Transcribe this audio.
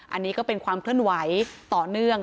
อันนี้ก็เป็นความเคลื่อนไหวต่อเนื่อง